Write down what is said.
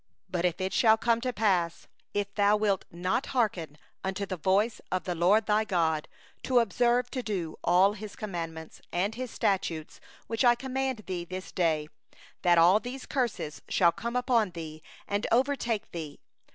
28 15But it shall come to pass, if thou wilt not hearken unto the voice of the LORD thy God, to observe to do all His commandments and His statutes which I command thee this day; that all these curses shall come upon thee, and overtake thee.